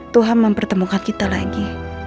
tuhan mempertemukan kita lagi